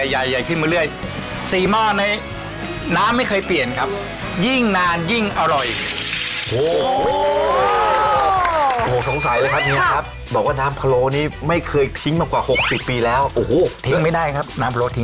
ชุดแรกเสร็จปุ๊บชุดใหม่ลงอืมแล้วก็ต้มต่อไป